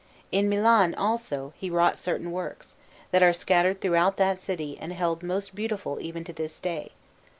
In Milan, also, he wrought certain works, that are scattered throughout that city and held most beautiful even to this day.